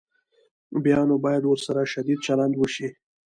بیا نو باید ورسره شدید چلند وشي.